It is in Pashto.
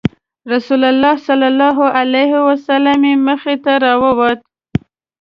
رسول الله صلی الله علیه وسلم یې مخې ته راووت.